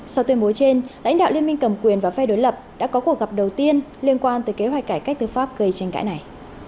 sau tuyên bố trên lãnh đạo liên minh cầm quyền và phe đối lập đã có cuộc gặp đầu tiên liên quan tới kế hoạch cải cách tư pháp gây tranh cãi này